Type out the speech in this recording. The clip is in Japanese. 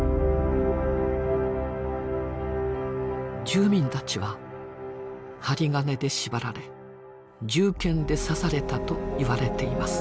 住民たちは針金で縛られ銃剣で刺されたといわれています。